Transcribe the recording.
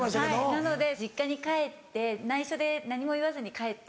なので実家に帰って内緒で何も言わずに帰って。